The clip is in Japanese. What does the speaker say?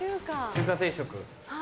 中華定食。